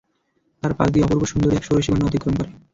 তার পাশ দিয়ে অপূর্ব সুন্দরী এক ষোড়শী কন্যা অতিক্রম করে।